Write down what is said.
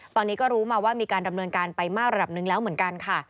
ตอนนี้ก็รู้มาว่ามีการดำเนินการไปมากระดับหนึ่งแล้วเหมือนกันค่ะ